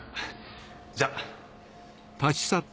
じゃあ。